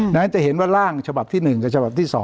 นั้นจะเห็นว่าร่างฉบับที่๑กับฉบับที่๒